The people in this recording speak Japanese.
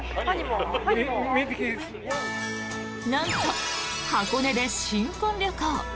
なんと箱根で新婚旅行。